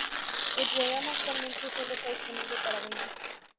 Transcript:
El programa actualmente sólo está disponible para Windows.